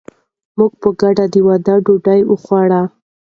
موږ په ګډه د واده ډوډۍ وخوړه.